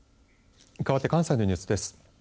かわって関西のニュースです。